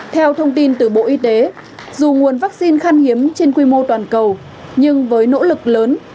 theo thông tin từ bộ y tế dù nguồn vắc xin khăn hiếm trên quy mô toàn cầu nhưng với nỗ lực lớn